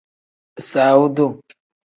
Bisaawu duu.